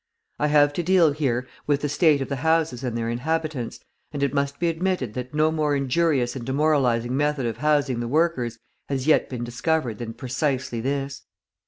I have to deal here with the state of the houses and their inhabitants, and it must be admitted that no more injurious and demoralising method of housing the workers has yet been discovered than precisely this.